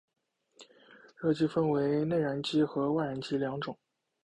热机分为内燃机和外燃机两种。